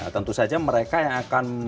tentu saja mereka yang akan berada di dalamnya